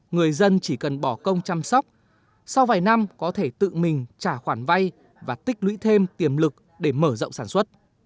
người dân chỉ cần bỏ công chăm sóc sau vài năm có thể tự mình trả khoản vay và tích lũy thêm tiềm lực để mở rộng sản xuất